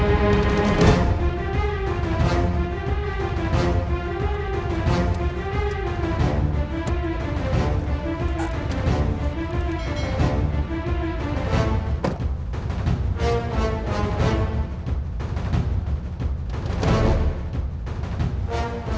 sampai saya sudah beri pk terima